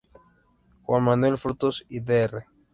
Juan Manuel Frutos y Dr.